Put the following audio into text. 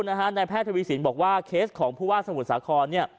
นายแพทย์ทวีสินบอกว่าเคสของผู้ว่าสมุทรสาครเนี่ย